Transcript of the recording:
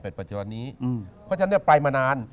ปัจจุบันนี้เพราะฉะนั้นเนี่ยไปมานาน